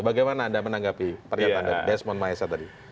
bagaimana anda menanggapi pernyataan desmond mahesa tadi